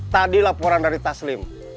tadi laporan dari taslim